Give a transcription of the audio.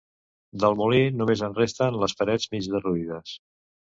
Del molí només ens resten les parets mig derruïdes.